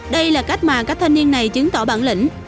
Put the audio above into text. đây là cách mà các thanh niên này chứng tỏ bản lĩnh